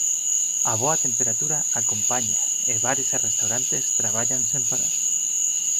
A boa temperatura acompaña e bares e restaurantes traballan sen parar.